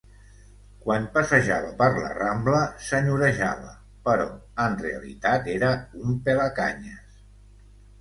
Quan passejava per la rambla senyorejava, però en realitat era un pelacanyes.